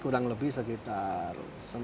kurang lebih sekitar